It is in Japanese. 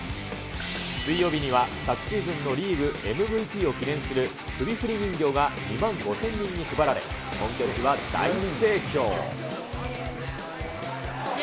水曜日には、昨シーズンのリーグＭＶＰを記念する首振り人形が２万５０００人に配られ、本拠地は大盛況。